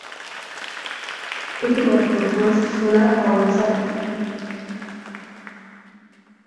It was the first solar-powered satellite.